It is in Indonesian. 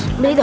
ambil itu tuh